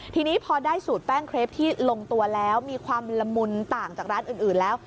ทีนี้พอได้สูตรแป้งเครปที่ลงตัวแล้วมีความละมุนต่างจากร้านอื่นแล้ว